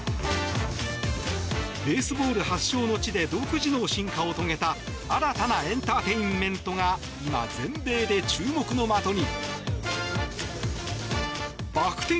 ベースボール発祥の地で独自の進化を遂げた新たなエンターテインメントが今、全米で注目の的に。